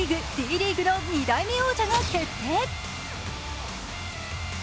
Ｄリーグの２代目王者が決定。